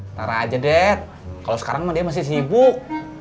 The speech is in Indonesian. ntar aja det kalau sekarang dia masih sibuk